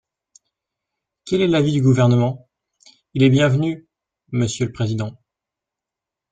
Quel est l’avis du Gouvernement ? Il est bienvenu, monsieur le président.